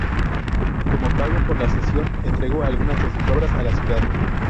Como pago por la cesión, entregó algunas obras a la ciudad.